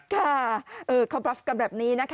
ค่ะคอปรับกันแบบนี้นะคะ